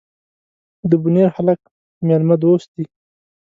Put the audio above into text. ده بونیر هلک میلمه دوست دي.